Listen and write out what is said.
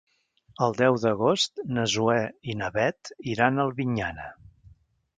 El deu d'agost na Zoè i na Bet iran a Albinyana.